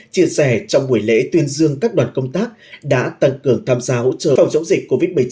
chia sẻ trong buổi lễ tuyên dương các đoàn công tác đã tăng cường tham gia hỗ trợ phòng chống dịch covid một mươi chín